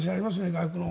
外国の。